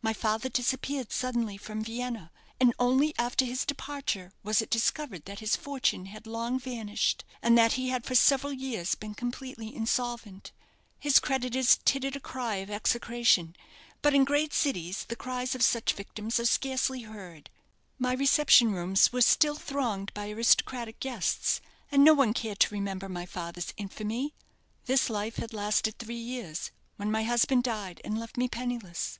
My father disappeared suddenly from Vienna, and only after his departure was it discovered that his fortune had long vanished, and that he had for several years been completely insolvent. His creditors tittered a cry of execration; but in great cities the cries of such victims are scarcely heard. My reception rooms were still thronged by aristocratic guests, and no one cared to remember my father's infamy. This life had lasted three years, when my husband died and left me penniless.